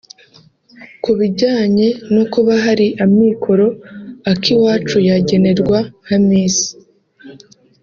Kubijyanye no kuba hari amikoro Akiwacu yagenerwa nka Miss